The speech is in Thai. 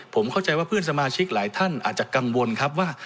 ผมเข้าใจว่าเพื่อนสมาชิกหลายท่านอาจจะกังวลครับว่า